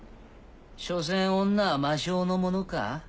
しょせん女は魔性のものか？